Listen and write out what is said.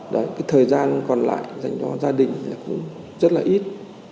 đấy cái thời gian còn lại dành cho gia đình cũng rất là ít